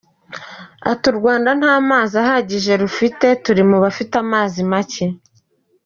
Ati “U Rwanda nta mazi ahagije rufite, turi mu bafite amazi make.